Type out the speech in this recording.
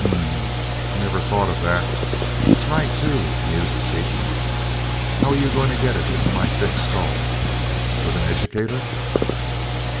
"Hm m m. Never thought of that. It's right too," mused Seaton. "How're you going to get it into my thick skull with an educator?"